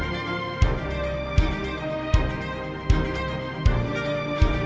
sayang kau diam aja sih